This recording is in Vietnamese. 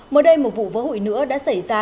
mới đây một vụ vỡ hụi nữa đã xảy ra